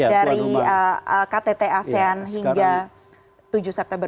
dari ktt asean hingga tujuh september dua ribu dua puluh